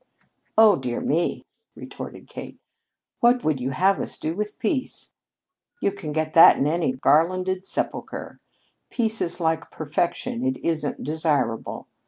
"Oh, dear me," retorted Kate, "what would you have us do with peace? You can get that in any garlanded sepulcher. Peace is like perfection, it isn't desirable.